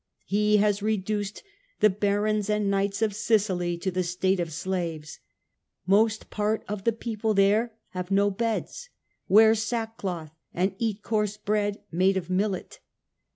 He has reduced the barons and knights of Sicily to the state of slaves ; most part of the people there have no beds, wear sackcloth, and eat coarse bread made of millet.